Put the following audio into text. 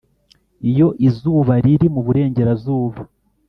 'iyo izuba riri mu burengerazuba